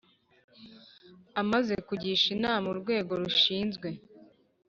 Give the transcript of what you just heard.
Amaze kugisha inama urwego rushinzwe